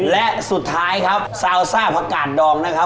และสุดท้ายครับซาวซ่าผักกาดดองนะครับ